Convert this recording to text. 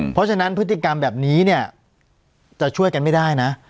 เพราะฉะนั้นพฤติกรรมแบบนี้เนี่ยจะช่วยกันไม่ได้นะ